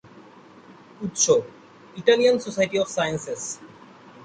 উৎস: Italian society of sciences